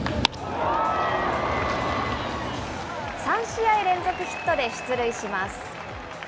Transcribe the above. ３試合連続ヒットで出塁します。